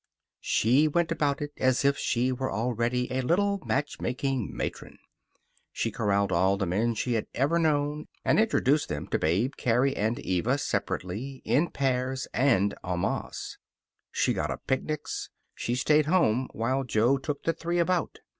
She went about it as if she were already a little matchmaking matron. She corralled all the men she had ever known and introduced them to Babe, Carrie, and Eva separately, in pairs, and en masse. She got up picnics. She stayed home while Jo took the three about.